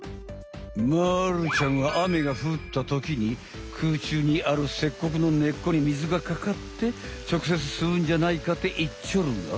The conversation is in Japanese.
まるちゃんは雨がふったときに空中にあるセッコクの根っこに水がかかってちょくせつすうんじゃないかっていっちょるが。